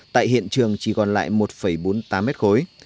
tại hiện trường chỉ còn lại một bốn mươi tám mét khối